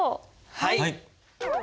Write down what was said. はい。